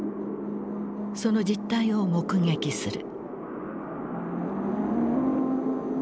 その実態を目撃する。